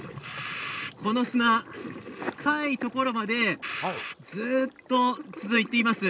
この砂は深いところまでずっと続いています。